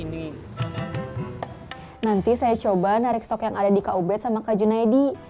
nanti saya coba narik stok yang ada di kub sama kak junaidi